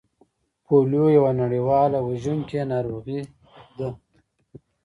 پولیو یوه نړیواله وژونکې ناروغي ده